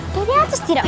tunggu dulu ustadz tidak